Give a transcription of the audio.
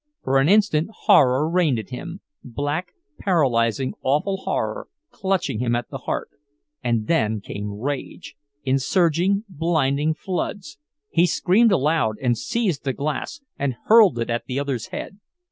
For an instant horror reigned in him—black, paralyzing, awful horror, clutching him at the heart; and then came rage, in surging, blinding floods—he screamed aloud, and seized the glass and hurled it at the other's head.